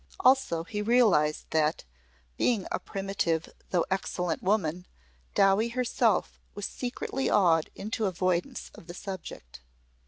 Also he realised that, being a primitive though excellent woman, Dowie herself was secretly awed into avoidance of the subject.